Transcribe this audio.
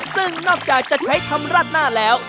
ซึ่งนอกจากจะใช้ทำราดหน้าแล้ว